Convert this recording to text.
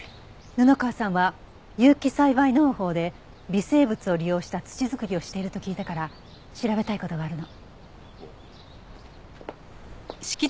布川さんは有機栽培農法で微生物を利用した土作りをしていると聞いたから調べたい事があるの。